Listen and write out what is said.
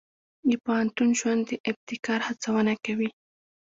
د پوهنتون ژوند د ابتکار هڅونه کوي.